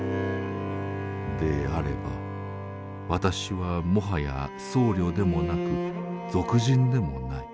であれば私はもはや僧侶でもなく俗人でもない。